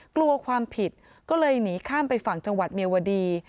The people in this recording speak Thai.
กลัวความผิดก็เลยหนีข้ามไปฝั่งจังหวัดเมียวดี